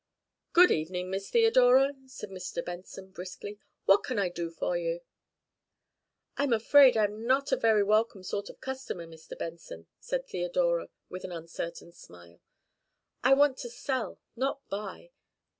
"Good evening, Miss Theodora," said Mr. Benson briskly. "What can I do for you?" "I'm afraid I'm not a very welcome sort of customer, Mr. Benson," said Theodora, with an uncertain smile. "I want to sell, not buy.